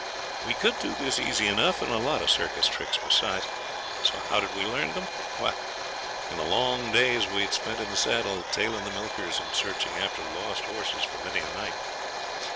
We could do this easy enough and a lot of circus tricks besides. How had we learned them? Why, in the long days we had spent in the saddle tailing the milkers and searching after lost horses for many a night.